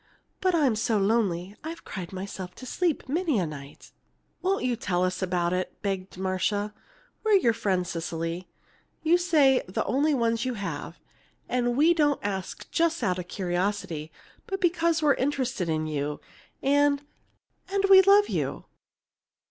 But I'm so lonely I've cried myself to sleep many a night." "Won't you tell us all about it?" begged Marcia. "We're your friends, Cecily, you say the only ones you have, and we don't ask just out of curiosity, but because we're interested in you, and and love you."